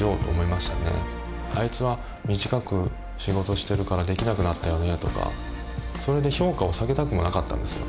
「あいつは短く仕事してるからできなくなったよね」とかそれで評価を下げたくもなかったんですよ。